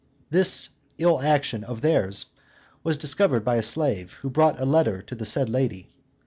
This ill action of theirs was discovered by a slave, who brought a letter to the said lady.